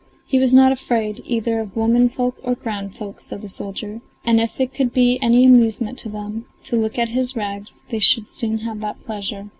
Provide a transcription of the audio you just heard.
He was not afraid, either of women folk or grand folk, said the soldier, and if it could be any amusement to them to look at his rags, they should soon have that pleasure.